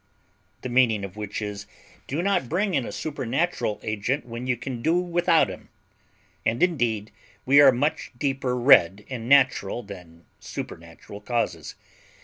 The meaning of which is, do not bring in a supernatural agent when you can do without him; and indeed we are much deeper read in natural than supernatural causes.